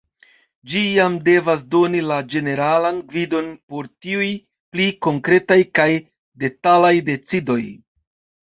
Ĝi jam devas doni la ĝeneralan gvidon por tiuj pli konkretaj kaj detalaj decidoj.